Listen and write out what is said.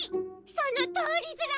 そのとおりずら！